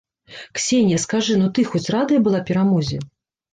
Ксенія, скажы, ну ты хоць радая была перамозе?